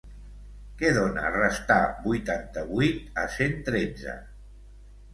Què dona restar vuitanta-vuit a cent tretze?